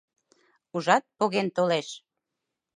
Ужат, поген толеш.